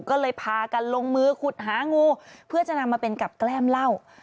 ก็เลยพากันลงมือขุดหางูเพื่อจะนำมาเป็นกับแกล้มเหล้า